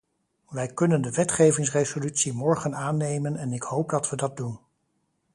Wij kunnen de wetgevingsresolutie morgen aannemen en ik hoop dat we dat doen.